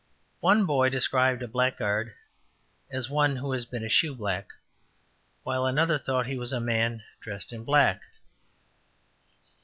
One boy described a blackguard as ``one who has been a shoeblack,'' while another thought he was ``a man dressed in black.''